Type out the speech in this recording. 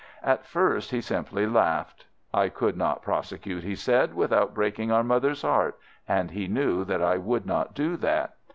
At first he simply laughed. I could not prosecute, he said, without breaking our mother's heart, and he knew that I would not do that.